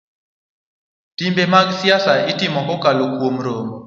Timbe mag siasa itimo kokalo kuom romo